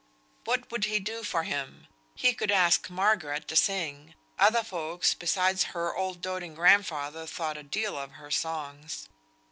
What could he do for him? He could ask Margaret to sing. Other folks beside her old doating grandfather thought a deal of her songs.